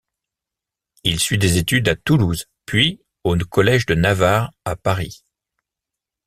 Il suit des études à Toulouse puis au collège de Navarre à Paris.